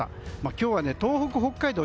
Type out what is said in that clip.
今日は東北、北海道